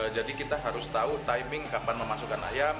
jadi kita harus tahu timing kapan memasukkan ayam